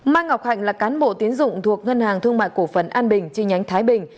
mai ngọc hạnh là cán bộ tiến dụng thuộc ngân hàng thương mại cổ phần an bình chi nhánh thái bình